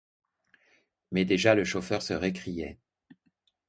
Mais déjà le chauffeur se récriait.